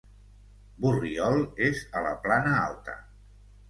Borriol és a la Plana Alta.